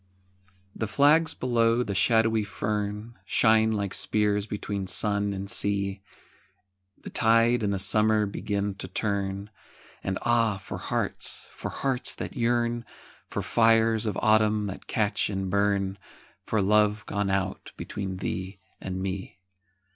THE flags below the shadowy fern Shine like spears between sun and sea, The tide and the summer begin to turn, And ah, for hearts, for hearts that yearn, For fires of autumn that catch and burn, For love gone out between thee and me.